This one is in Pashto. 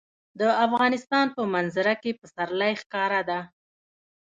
د افغانستان په منظره کې پسرلی ښکاره ده.